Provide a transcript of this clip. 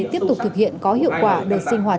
tiếp tục thực hiện có hiệu quả đợt sinh hoạt